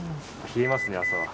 冷えますね、朝は。